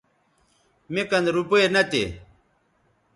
مے کن روپے نہ تھے